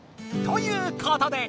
ということで。